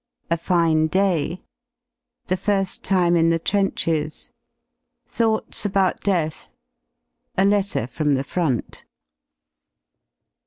§ A fine day. § The firs^ time in the trenches. § Thoughts about death. § A letter from the front.